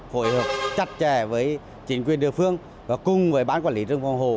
phối hợp chặt chẽ với chính quyền địa phương và cùng với bán quản lý rừng phòng hộ